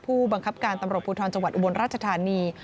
ผู้บังคับการตำรวจภูทรจังหวัดอุบลราชธานี